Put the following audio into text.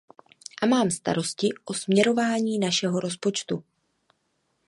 A mám starosti o směrování našeho rozpočtu.